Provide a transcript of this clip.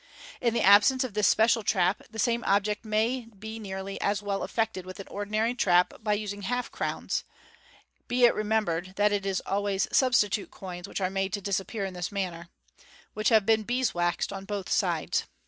In the absence of this special trap, the same object may be nearly as well effected with an ordinary trap by using half crowns (be it remembered that it is always substi tute coins which are made to disappear in this manner) which have been beeswaxed on both sides.